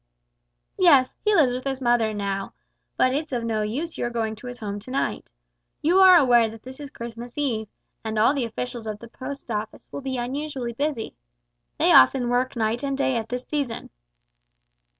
"Yes, he lives with his mother now, but it's of no use your going to his home to night. You are aware that this is Christmas eve, and all the officials of the Post Office will be unusually busy. They often work night and day at this season."